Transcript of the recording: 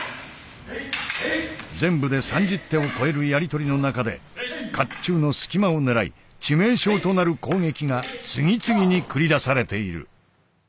全部で３０手を超えるやり取りの中で甲冑の隙間を狙い致命傷となる攻撃が次々に繰り出されている。